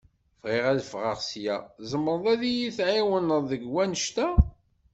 Bɣiɣ ad fɣeɣ sya, tzemreḍ ad iyi-tɛiwneḍ deg wanect-a?